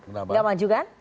nggak maju kan